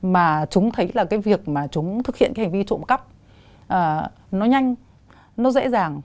mà chúng thấy việc thực hiện hành vi trộm cấp nó nhanh nó dễ dàng